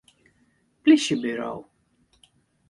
Plysjeburo.